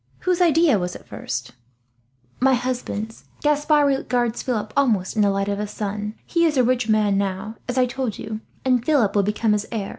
Whose idea was it first?" "My husband's. Gaspard regards Philip almost in the light of a son. He is a rich man now, as I told you, and Philip will become his heir.